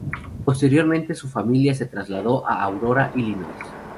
Posteriormente, su familia se trasladó a Aurora, Illinois.